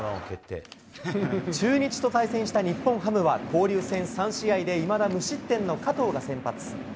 中日と対戦した日本ハムは交流戦３試合で、いまだ無失点の加藤が先発。